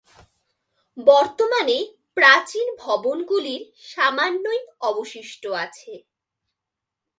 বর্তমানে প্রাচীন ভবনগুলির সামান্যই অবশিষ্ট আছে।